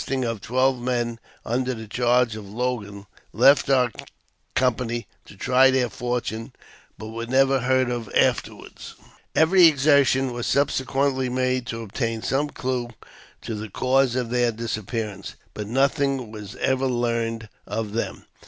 AUTOBIOGBAPHY OF of twelve men under the charge of one Logan, left our company to try their fortune but were never heard of afterward. Every exertion was subsequently made to obtain some clue to the cause of their disappearance, but nothing was ever learned of them.